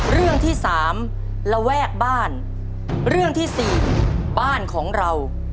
เรื่องที่สามระแวกบ้านเรื่องที่สี่บ้านของเรา